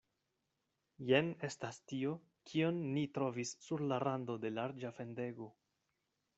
Jen estas tio, kion ni trovis sur la rando de larĝa fendego.